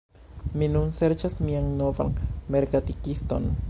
Mi nun serĉas mian novan merkatikiston